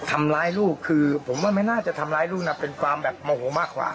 ทำร้ายลูกคือผมว่าไม่น่าจะทำร้ายลูกนะเป็นความแบบโมโหมากกว่า